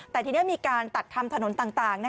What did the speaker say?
แต่ทีนี้มีการตัดทำถนนต่าง